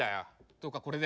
どうかこれで。